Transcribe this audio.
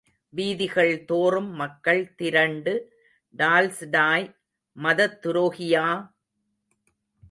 வீதிகள் தோறும் மக்கள் திரண்டு டால்ஸ்டாய் மதத்துரோகியா!